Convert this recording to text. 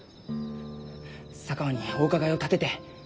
佐川にお伺いを立てて！